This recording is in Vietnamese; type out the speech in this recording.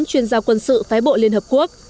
chuyên gia quân sự phái bộ liên hợp quốc